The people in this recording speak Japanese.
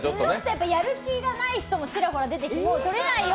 やる気がない人もちらほら出てきて取れないよ